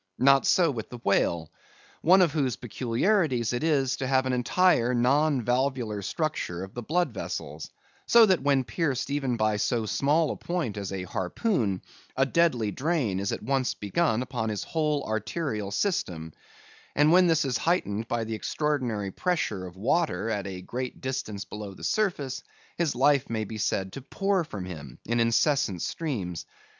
Not so with the whale; one of whose peculiarities it is to have an entire non valvular structure of the blood vessels, so that when pierced even by so small a point as a harpoon, a deadly drain is at once begun upon his whole arterial system; and when this is heightened by the extraordinary pressure of water at a great distance below the surface, his life may be said to pour from him in incessant streams.